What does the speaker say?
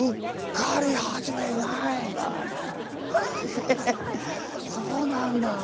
ええそうなんだ。